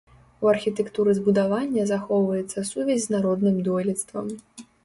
У архітэктуры збудавання захоўваецца сувязь з народным дойлідствам.